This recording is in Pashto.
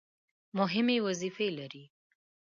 مهمې وظیفې لري.